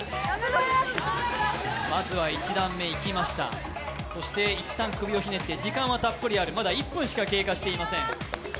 まずは１段目いきました、そして一旦首をひねって、時間はたっぷりある、まだ１分しか経過していません。